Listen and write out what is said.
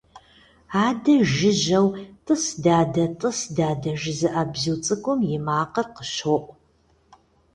Адэ жыжьэу «тӏыс дадэ, тӏыс дадэ» жызыӏэ бзу цӏыкӏум и макъыр къыщоӏу.